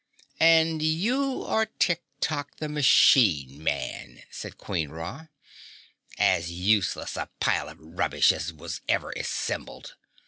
"And you are Tik Tok the Machine Man," said Queen Ra. "As useless a pile of rubbish as was ever assembled.